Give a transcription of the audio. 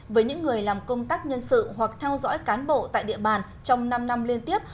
với những người làm công tác nhân sự hoặc theo dõi cán bộ tại địa bàn trong năm năm liên tiếp